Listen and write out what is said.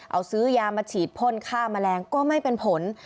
เอาซื้อยามาฉีดพ่นฆ่าแมลงก็ไม่เป็นผล